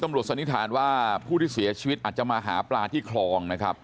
สันนิษฐานว่าผู้ที่เสียชีวิตอาจจะมาหาปลาที่คลองนะครับ